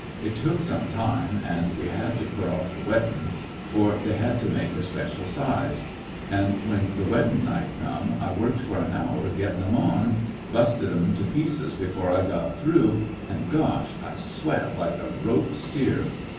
It took some time, an' we had to put off the weddin', for they had to be made a special size. An' when the weddin' night come, I worked for an hour gettin' 'em on, 129 at obeying IRecoCCections of a bnsted 'em to pieces before I got through, an' gosh ! I sweat like a roped steer.